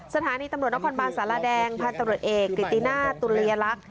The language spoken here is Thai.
สถานีตำรวจนครบาลสรเดงพต่เอร์กิริตินาตร์ตุเรียรักษ์